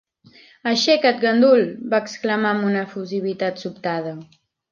"Aixeca't, gandul!" va exclamar amb una efusivitat sobtada.